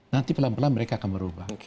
nanti pelan pelan mereka akan merubah